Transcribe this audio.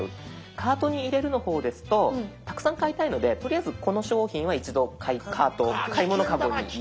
「カートに入れる」の方ですとたくさん買いたいのでとりあえずこの商品は一度カート買い物かごに入れておいて。